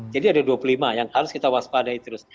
jadi ada dua puluh lima yang harus kita waspadai terus